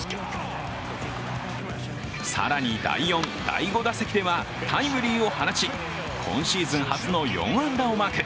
更に、第４、第５打席ではタイムリーを放ち、今シーズン初の４安打をマーク。